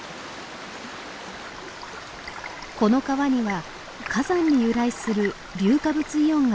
この川には火山に由来する硫化物イオンが溶け込んでいます。